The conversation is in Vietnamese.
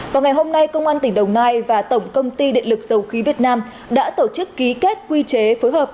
vào ngày hôm nay công an tỉnh đồng nai và tổng công ty điện lực dầu khí việt nam đã tổ chức ký kết quy chế phối hợp